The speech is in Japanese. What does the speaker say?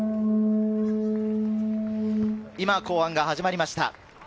今、後半が始まりました。